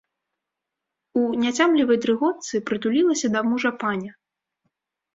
У няцямлівай дрыготцы прытулілася да мужа паня.